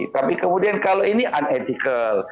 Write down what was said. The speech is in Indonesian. tapi kemudian kalau ini unetical